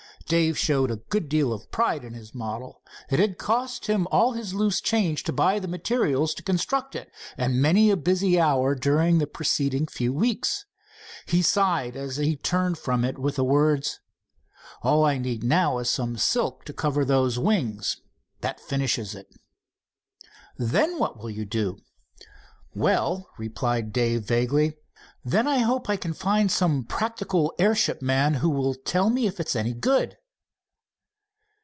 Dave showed a good deal of pride in his model. It had cost him all his loose change to buy the material to construct it, and many a busy hour during the preceding few weeks. He sighed as he turned from it, with the words: "All I need now is some silk to cover those wings. That finishes it." "Then what will you do?" "Well," replied Dave vaguely, "then I hope I can find some practical airship man who will tell me if it's any good."